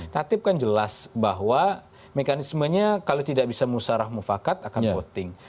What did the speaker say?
tatip kan jelas bahwa mekanismenya kalau tidak bisa musarah mufakat akan voting